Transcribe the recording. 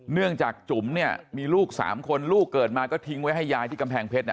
เนื่องจากจุ๋มเนี่ยมีลูก๓คนลูกเกิดมาก็ทิ้งไว้ให้ยายที่กำแพงเพชร